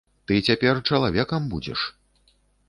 Ты цяпер чалавекам будзеш.